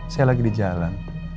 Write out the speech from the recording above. saya lagi di jalan